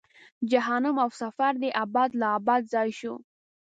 جهنم او سقر دې ابد لا ابد ځای شو.